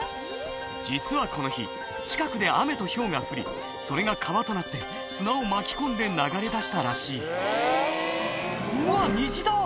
実はこの日近くで雨とひょうが降りそれが川となって砂を巻き込んで流れ出したらしいうわ虹だ！